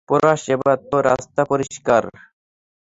Porous, এবার তোর রাস্তা পরিস্কার।